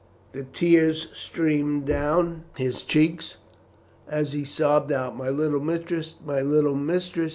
The tears streamed down his cheeks, as he sobbed out, "My little mistress, my little mistress!